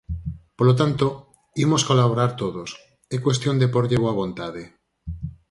Polo tanto, imos colaborar todos, é cuestión de pórlle boa vontade.